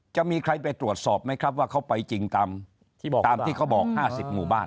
จะมีใครตรวจสอบขวาเขาไปจริงตามที่เขาบอก๕๐มูลบ้าน